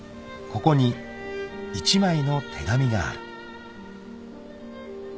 ［ここに１枚の手紙がある］